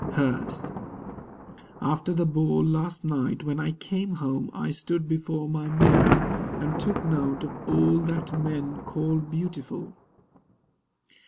HERS After the ball last night, when I came home I stood before my mirror, and took note Of all that men call beautiful.